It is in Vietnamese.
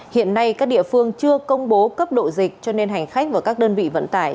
hiện nay các địa phương chưa công bố cấp độ dịch cho nên hành khách và các đơn vị vận tải